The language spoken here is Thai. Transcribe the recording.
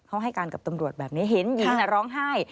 เขาให้การกับตำรวจแบบนี้เห็นหญิงร้องไห้